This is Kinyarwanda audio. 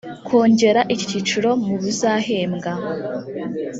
Kongera iki cyiciro mu bizahembwa